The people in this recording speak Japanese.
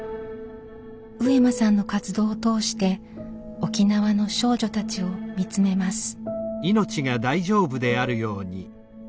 上間さんの活動を通して沖縄の少女たちを見つめます。